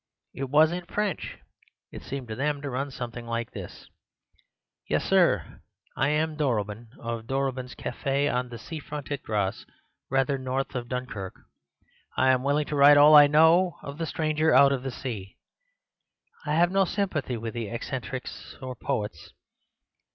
It was in French. It seemed to them to run something like this:— "Sir,—Yes; I am Durobin of Durobin's Cafe on the sea front at Gras, rather north of Dunquerque. I am willing to write all I know of the stranger out of the sea. "I have no sympathy with eccentrics or poets.